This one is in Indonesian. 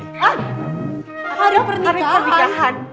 hah hari pernikahan